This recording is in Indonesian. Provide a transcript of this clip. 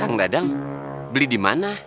kang dadang beli di mana